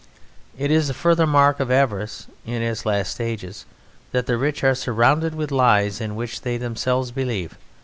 It is a further mark of avarice in its last stages that the rich are surrounded with lies in which they themselves believe.